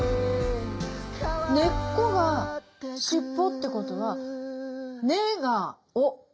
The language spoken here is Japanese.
根っこがしっぽって事は「根」が「尾」。